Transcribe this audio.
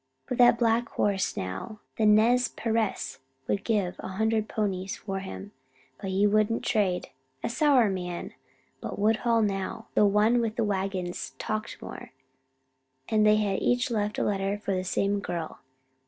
But that black horse now the Nez Percés would give a hundred ponies for him. But he wouldn't trade. A sour young man. But Woodhull, now, the one with the wagons, talked more. And they each had left a letter for the same girl!